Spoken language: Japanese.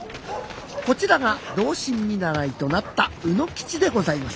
こちらが同心見習いとなった卯之吉でございます。